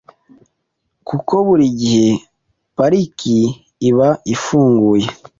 kuko buri gihe pariki iba ifunguye